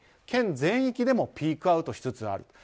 県全域でもピークアウトしつつある。